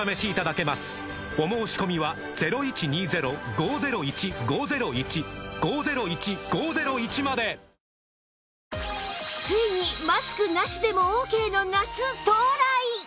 お申込みはついにマスクなしでもオーケーの夏到来！